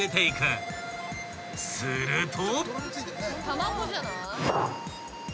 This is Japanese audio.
［すると］